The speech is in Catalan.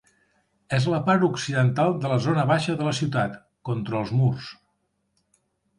És a la part occidental de la zona baixa de la ciutat, contra els murs.